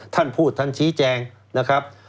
ท่านพูดท่านชี้แจงนะครับ